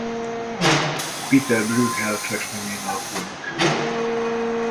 Pieter Bruegel festményein alapulnak.